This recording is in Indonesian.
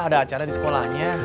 ada acara di sekolahnya